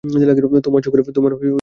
তোমার চোখের রঙ কী?